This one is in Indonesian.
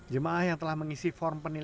jemaah yang telah mengisi form penilai